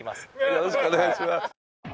よろしくお願いします。